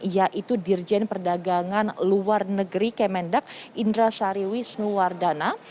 yaitu dirjen perdagangan luar negeri kemendak indra sariwi snuwardana